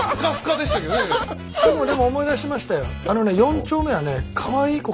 でもでも思い出しましたよ。